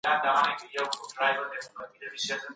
د تاریخ او هنر ترمنځ اړیکه روښانه کړئ.